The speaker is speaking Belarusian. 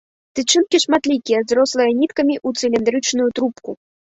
Тычынкі шматлікія, зрослыя ніткамі ў цыліндрычную трубку.